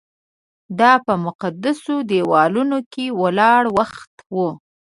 دا په مقدسو دیوالونو کې ولاړ وخت و.